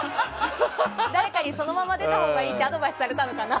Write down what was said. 誰かにそのまま出たほうがいいってアドバイスされたのかな。